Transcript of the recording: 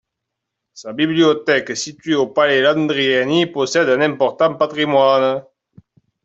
Sa bibliothèque située au palais Landriani possède un important patrimoine.